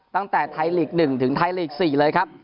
ตั้งแต่ไทยลีก๑ถึงไทยลีก๔เลยครับ